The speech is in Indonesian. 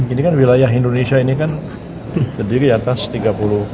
ini kan wilayah indonesia ini kan terdiri atas tiga puluh